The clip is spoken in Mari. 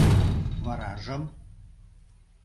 — Варажым?